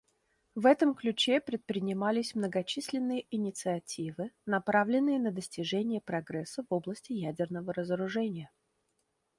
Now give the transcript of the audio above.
В этом ключе предпринимались многочисленные инициативы, направленные на достижение прогресса в области ядерного разоружения.